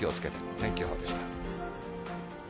天気予報でした。